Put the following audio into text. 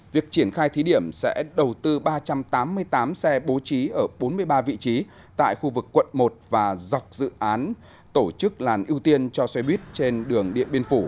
việc triển khai thí điểm sẽ đầu tư ba trăm tám mươi tám xe bố trí ở bốn mươi ba vị trí tại khu vực quận một và dọc dự án tổ chức làn ưu tiên cho xe buýt trên đường điện biên phủ